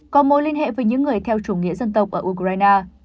có mối liên hệ với những người theo chủ nghĩa dân tộc ở ukraine